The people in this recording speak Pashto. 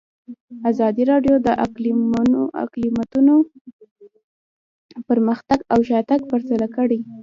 ازادي راډیو د اقلیتونه پرمختګ او شاتګ پرتله کړی.